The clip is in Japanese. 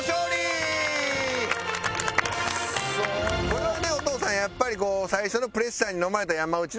これはねお父さんやっぱり最初のプレッシャーにのまれた山内の弱さですよね。